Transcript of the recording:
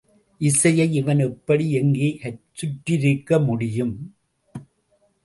இசையை இவன் எப்படி எங்கே சுற்றிருக்க முடியும்?